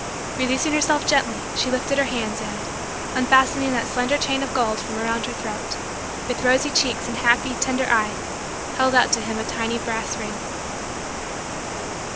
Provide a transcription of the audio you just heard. Releasing herself gently, she lifted her hands and, unfastening that slender chain of gold from around her throat, with rosy cheeks and happy, tender, eyes, held out to him a tiny brass ring.